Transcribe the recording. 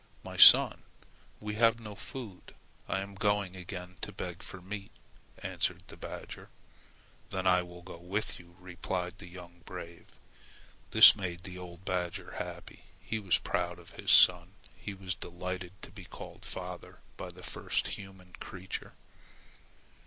"My son, we have no food. I am going again to beg for meat," answered the badger. "Then I go with you," replied the young brave. This made the old badger happy. He was proud of his son. He was delighted to be called "father" by the first human creature.